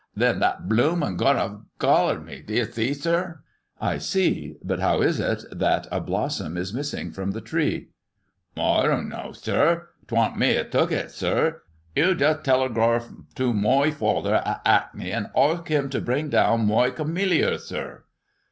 Then that bloomin' gonoph collared me. D'ye see, sir ]"'^ I see, but how is it thav a blossom is missing from the tree ]"" I don' no, sir. 'Tworn't me as took it, sir. You jist telergrarf to moy father at 'Ackney an* arsk 'im to biing down moy kemmelliar, sir."